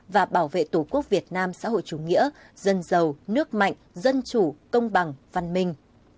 và bảo vệ tổ quốc việt nam xã hội chủ nghĩa dân giàu nước mạnh dân chủ công bằng văn minh